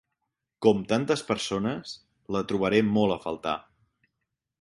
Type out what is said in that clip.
Com tantes persones, la trobaré molt a faltar.